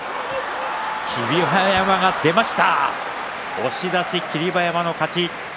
押し出し、霧馬山の勝ち。